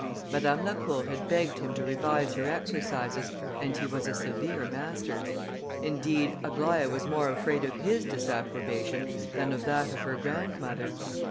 Madame Lacour had begged him to revise her exercises, and he was a severe master; indeed, Aglaïa was more afraid of his disapprobation than of that of her grandmother.